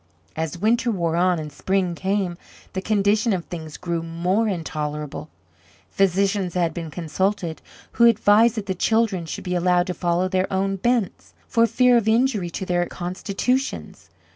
As winter wore on and spring came, the condition of things grew more intolerable. Physicians had been consulted, who advised that the children should be allowed to follow their own bents, for fear of injury to their constitutions.